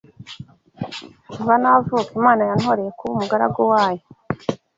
Kuva navuka Imana yantoreye kuba umugaragu wayo